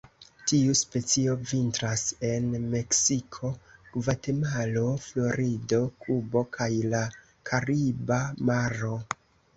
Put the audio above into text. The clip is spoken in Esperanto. Tiu specio vintras en Meksiko, Gvatemalo, Florido, Kubo kaj la Kariba Maro.